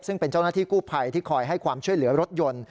ซึ่งเป็นเจ้าหน้าที่กู้ภัยที่คอยให้ความช่วยเหลือรถยนต์